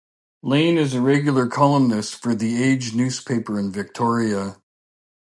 Lane is a regular columnist for "The Age" newspaper in Victoria.